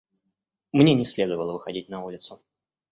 Мне не следовало выходить на улицу.